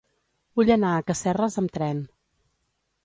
Vull anar a Casserres amb tren.